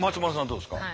どうですか。